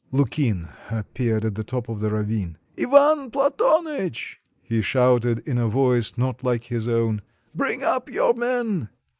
Lukin appeared at the top of the ravine. "Ivan Platonych!" he shouted in a voice not like his own; "bring up your men."